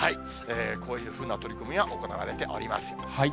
こういうふうな取り組みが行われております。